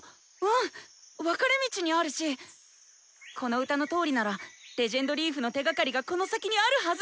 この歌のとおりなら「レジェンドリーフ」の手がかりがこの先にあるはず！